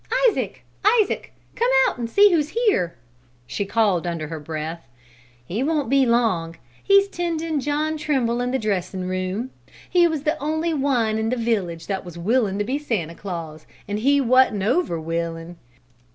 Isaac! Isaac! Come out and see who's here," she called under her breath. "He won't be long. He's tendin' John Trimble in the dressin' room. He was the only one in the village that was willin' to be Santa Claus an' he wa'n't over willin'.